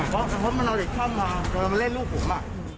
เพราะมันเอาเด็กข้ามมามันเล่นลูกผม